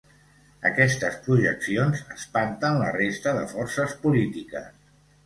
Aquestes projeccions espanten la resta de forces polítiques.